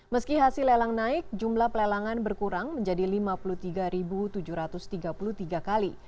meski hasil lelang naik jumlah pelelangan berkurang menjadi lima puluh tiga tujuh ratus tiga puluh tiga kali